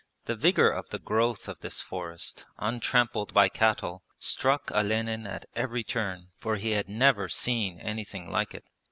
The vigour of the growth of this forest, untrampled by cattle, struck Olenin at every turn, for he had never seen anything like it.